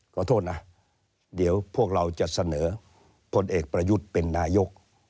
ขอโทษนะเดี๋ยวพวกเราจะเสนอพลเอกประยุทธ์เป็นนายก